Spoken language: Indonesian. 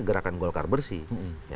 gerakan golkar bersih